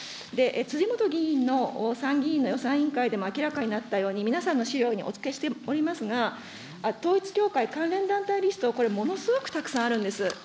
辻元議員の参議院の予算委員会でも明らかになったように、皆さんの資料にお付けしておりますが、統一教会関連団体リスト、これ、ものすごくたくさんあるんです。